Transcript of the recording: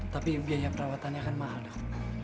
tapi biaya perawatannya akan mahal dok